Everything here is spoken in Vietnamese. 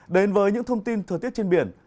đến với những thông tin thừa tiết trên biển